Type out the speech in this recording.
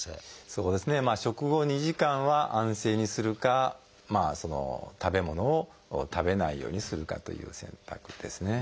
そうですね食後２時間は安静にするかその食べ物を食べないようにするかという選択ですね。